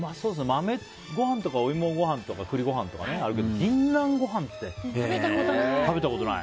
豆ご飯とか、おいもご飯とか栗ご飯とかあるけど銀杏ご飯って食べたことない。